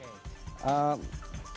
terus kita akan